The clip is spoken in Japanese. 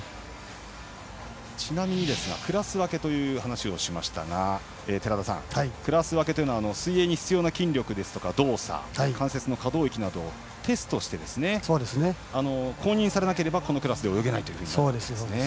ちなみに、クラス分けという話をしましたが寺田さん、クラス分けというのは水泳に必要な筋力や動作、関節の可動域などをテストして公認されなければ、このクラスで泳げないというものですね。